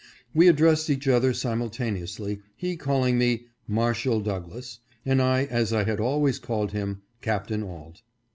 We addressed each other simul taneously, he calling me " Marshal Douglass," and I, as I had always called him, " Captain Auld."